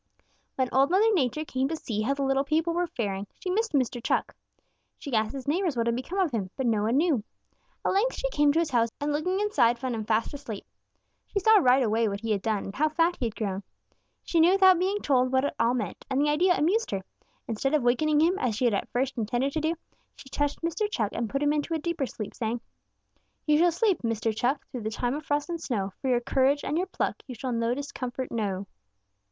"When Old Mother Nature came to see how the little people were faring, she missed Mr. Chuck. She asked his neighbors what had become of him, but no one knew. At length she came to his house and looking inside found him fast asleep. She saw right away what he had done and how fat he had grown. She knew without being told what it all meant, and the idea amused her. Instead of wakening him, as she had at first intended to do, she touched Mr. Chuck and put him into a deeper sleep, saying: "'You shall sleep, Mr. Chuck, Through the time of frost and snow. For your courage and your pluck You shall no discomfort know.'